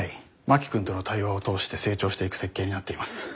真木君との対話を通して成長していく設計になっています。